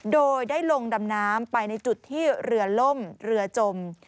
โดยได้ลงดำน้ำไปในจุดที่เรือล่มเรือจม